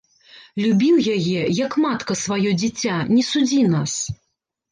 Любіў яе, як матка сваё дзіця, не судзі нас.